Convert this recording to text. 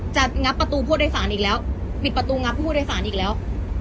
งับประตูผู้โดยสารอีกแล้วปิดประตูงับผู้โดยสารอีกแล้ว